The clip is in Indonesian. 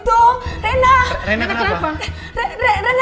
pokoknya keyakinan tikus gelombang ya